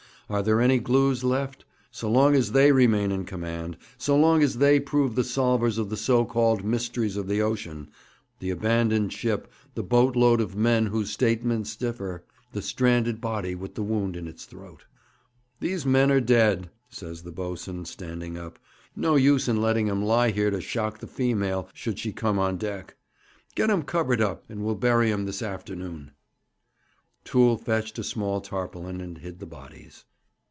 Are there any Glews left? So long as they remain in command, so long will they prove the solvers of the so called mysteries of the ocean the abandoned ship, the boat load of men whose statements differ, the stranded body with the wound in its throat. 'These men are dead,' says the boatswain, standing up. 'No use in letting 'em lie here to shock the female, should she come on deck. Get 'em covered up, and we'll bury 'em this afternoon.' Toole fetched a small tarpaulin, and hid the bodies.